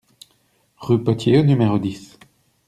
Rue Potier au numéro dix